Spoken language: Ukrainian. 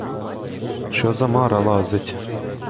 Що за мара лазить?